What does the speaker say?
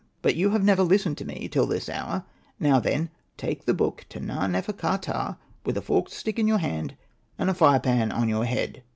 But you have never listened to me till this hour. Now, then, take the book to Na.nefer.ka.ptah, with a forked stick in your hand, and a fire pan on your head.''